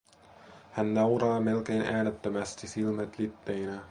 Hän nauraa melkein äänettömästi, silmät litteinä.